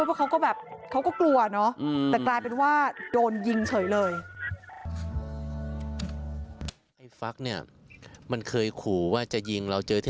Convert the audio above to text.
เพราะเขาก็แบบเขาก็กลัวเนาะ